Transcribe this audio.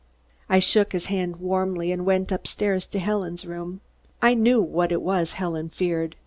I shook his hand warmly and went upstairs to Helen's room. I knew what it was Helen feared.